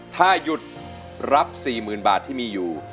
ถ้าหยุดรับ๔๐๐๐บาทที่มีอยู่